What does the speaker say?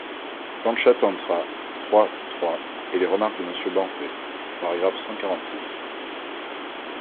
Pantchatantra (trois, trois), et les remarques de Monsieur Benfey (§ cent quarante-six).